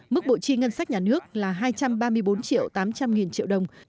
mức bộ chi ngân sách nhà nước là hai trăm ba mươi bốn triệu tám trăm linh nghìn triệu đồng